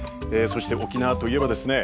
そして沖縄といえばですね